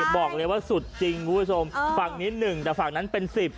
บอกเลยว่าสุดจริงคุณผู้ชมฝั่งนี้๑แต่ฝั่งนั้นเป็น๑๐